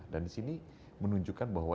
dan di sini menunjukkan bahwa